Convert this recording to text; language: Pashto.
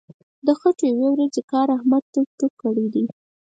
د خټو یوې ورځې کار احمد ټوک ټوک کړی دی.